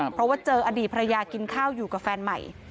เพราะว่าเจออดีตภรรยากินข้าวอยู่กับแฟนใหม่